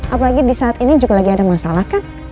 apalagi di saat ini juga lagi ada masalah kah